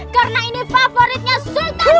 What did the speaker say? karena ini favoritnya sultan pondok pelita